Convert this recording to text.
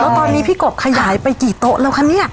แล้วตอนนี้พี่กบขยายไปกี่โต๊ะแล้วคะเนี่ย